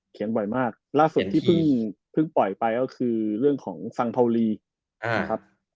บ่อยมากล่าสุดที่เพิ่งปล่อยไปก็คือเรื่องของฟังภาวรีนะครับ